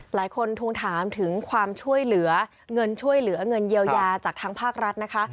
ทวงถามถึงความช่วยเหลือเงินช่วยเหลือเงินเยียวยาจากทางภาครัฐนะคะ